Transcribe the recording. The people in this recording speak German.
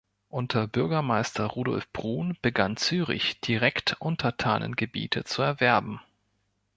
Unter Bürgermeister Rudolf Brun begann Zürich, direkt Untertanengebiete zu erwerben.